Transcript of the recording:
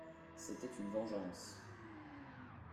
C'était une vengeance.